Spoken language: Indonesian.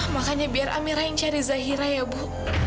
makanya biar amira yang cari zahira ya bu